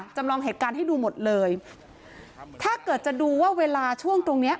จำลองเหตุการณ์ให้ดูหมดเลยถ้าเกิดจะดูว่าเวลาช่วงตรงเนี้ย